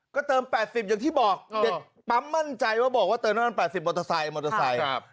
ก็เติม๘๐อย่างที่บอกเด็กปั๊มมั่นใจว่าบอกว่าเติมน้ำมัน๘๐มอเตอร์ไซค์มอเตอร์ไซค์